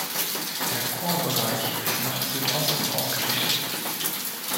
Der Chorbereich ist nach Südosten ausgerichtet.